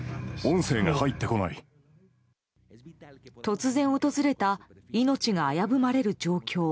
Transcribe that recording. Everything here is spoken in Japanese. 突然訪れた命が危ぶまれる状況。